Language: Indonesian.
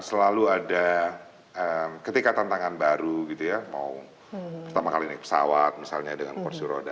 selalu ada ketika tantangan baru gitu ya mau pertama kali naik pesawat misalnya dengan kursi roda